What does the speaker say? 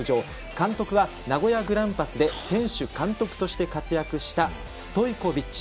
監督は名古屋グランパスで選手、監督として活躍したストイコビッチ。